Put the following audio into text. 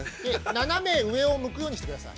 ◆斜め上を向くようにしてください。